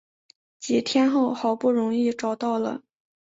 几天后好不容易找到了